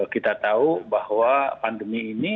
kita tahu bahwa pandemi ini